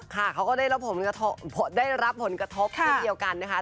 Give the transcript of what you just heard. เขาก็ได้รับผลกระทบเช่นเดียวกันนะคะ